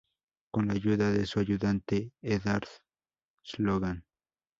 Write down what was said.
Con la ayuda de su ayudante, Eddard Slogan, Mr.